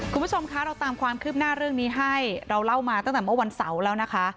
คุณผู้ชมคะเราตามความคืบหน้าเรื่องนี้ให้เราเล่ามาตั้งแต่เมื่อวันเสาร์แล้วนะคะ